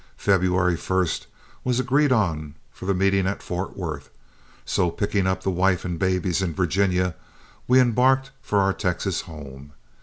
February 1 was agreed on for the meeting at Fort Worth, so picking up the wife and babies in Virginia, we embarked for our Texas home.